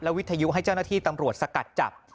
วิทยุให้เจ้าหน้าที่ตำรวจสกัดจับ